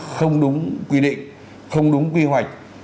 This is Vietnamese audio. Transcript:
không đúng quy định không đúng quy hoạch